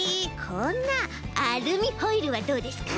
こんなアルミホイルはどうですか？